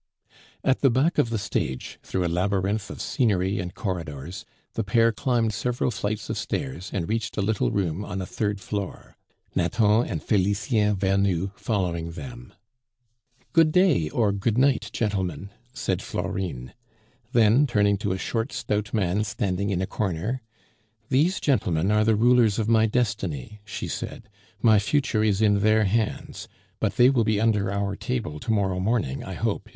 At the back of the stage, through a labyrinth of scenery and corridors, the pair climbed several flights of stairs and reached a little room on a third floor, Nathan and Felicien Vernou following them. "Good day or good night, gentlemen," said Florine. Then, turning to a short, stout man standing in a corner, "These gentlemen are the rulers of my destiny," she said, "my future is in their hands; but they will be under our table to morrow morning, I hope, if M.